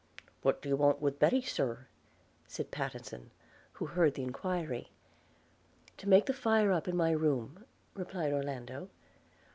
'What do you want with Betty, sir?' said Pattenson, who heard the enquiry. 'To make the fire up in my room,' replied Orlando.